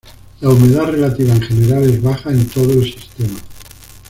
La humedad relativa en general es baja en todo el Sistema.